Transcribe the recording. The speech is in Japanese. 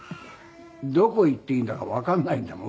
どこへ行っていいんだかわかんないんだもん